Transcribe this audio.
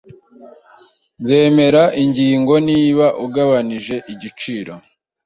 Nzemera ingingo niba ugabanije igiciro